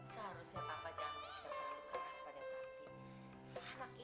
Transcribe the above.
seharusnya papa jangan berusaha terlalu keras pada tati